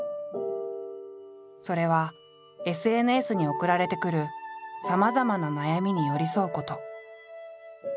それはＳＮＳに送られてくるさまざまな悩みに寄り添うこと。